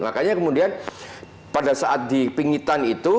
makanya kemudian pada saat dipingitan itu